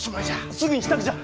すぐに支度じゃ！